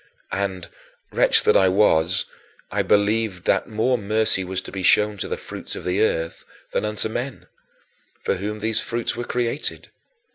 And, wretch that I was, I believed that more mercy was to be shown to the fruits of the earth than unto men, for whom these fruits were created.